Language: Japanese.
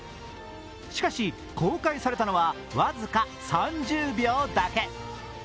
しかし、公開されたのは僅か３０秒だけ。